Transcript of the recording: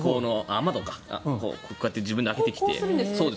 こうやって自分で開けてきて。